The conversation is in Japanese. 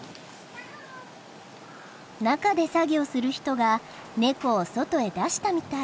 中で作業する人がネコを外へ出したみたい。